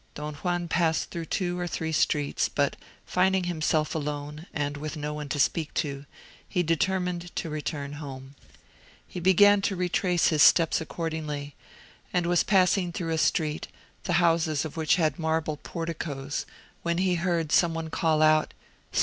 Don Juan passed through two or three streets, but finding himself alone, and with no one to speak to, he determined to return home. He began to retrace his steps accordingly; and was passing through a street, the houses of which had marble porticoes, when he heard some one call out, "Hist!